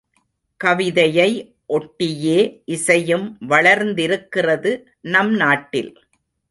கவிதையை ஒட்டியே இசையும் வளர்ந்திருக்கிறது நம் நாட்டில்.